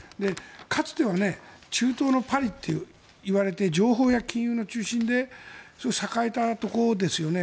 かつては中東のパリといわれて情報や金融の中心ですごく栄えたところですよね。